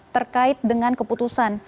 terkait dengan keputusan